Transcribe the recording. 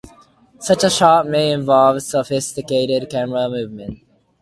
Such a shot may involve sophisticated camera movement.